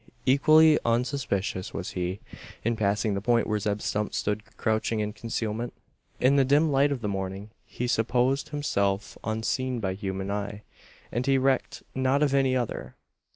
Equally unsuspicious was he, in passing the point where Zeb Stump stood crouching in concealment. In the dim light of the morning he supposed himself unseen by human eye; and he recked not of any other.